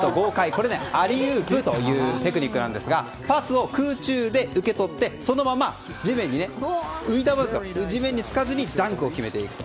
これ、アリウープというテクニックなんですがパスを空中で受け取ってそのまま地面につかずにダンクを決めていくと。